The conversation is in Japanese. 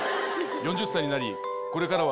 ４０歳になりこれからは